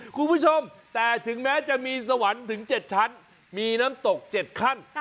คุณผู้ชมแต่ถึงแม้จะมีสวรรค์ถึง๗ชั้นมีน้ำตก๗ขั้น